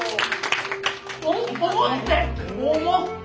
お思って！